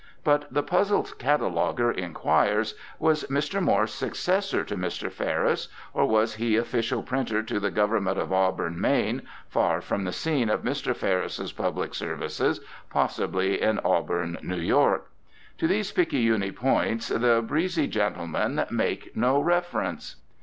But, the puzzled cataloguer inquires, was Mr. Morse successor to Mr. Ferris, or was he official printer to the Government of Auburn, Maine, far from the scene of Mr. Ferris's public services, possibly in Auburn, New York? To these picayune points the breezy gentlemen make no reference.